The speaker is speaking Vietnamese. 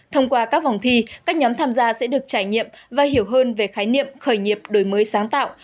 thông qua các vòng thi các nhóm tham gia sẽ được trải nghiệm và hiểu hơn về khái niệm khởi nghiệp đổi mới sáng tạo